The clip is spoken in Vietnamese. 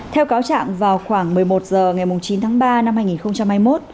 theo cáo trạng vào khoảng một mươi một h ngày chín tháng ba năm hai nghìn hai mươi một